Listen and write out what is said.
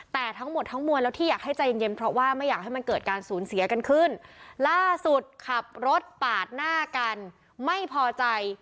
แต่ทั้งหมดทั้งมวลแล้วที่อยากให้ใจเย็นเย็นเพราะว่าไม่อยากให้มันเกิดการสูญเสียกันขึ้นล่าสุดขับรถปาดหน้ากันไม่พอใจ